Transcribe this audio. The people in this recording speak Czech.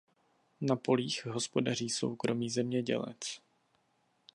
Na polích hospodaří soukromý zemědělec.